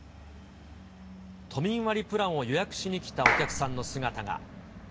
都民割プランを予約しに来たお客さんの姿が。